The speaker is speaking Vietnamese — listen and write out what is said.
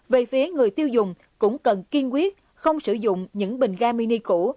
về phía người tiêu dùng cũng cần kiên quyết không sử dụng những bình ga mini cũ